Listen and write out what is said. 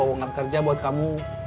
tau lowongan kerja buat kamu